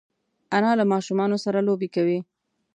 انا له ماشومانو سره لوبې کوي